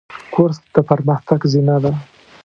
کورس د پرمختګ زینه ده.